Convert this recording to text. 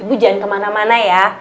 ibu jangan kemana mana ya